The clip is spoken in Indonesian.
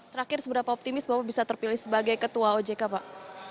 terakhir seberapa optimis bapak bisa terpilih sebagai ketua ojk pak